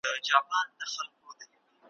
له بدو څخه یا غلی اوسه یا لیري اوسه `